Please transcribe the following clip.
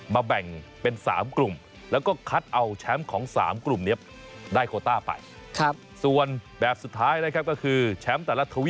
มาแบ่งเป็น๓กลุ่ม